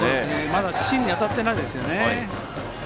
まだ芯に当たってないですよね。